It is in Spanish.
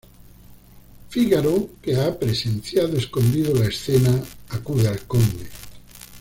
Fígaro, que ha presenciado escondido la escena, acude al Conde.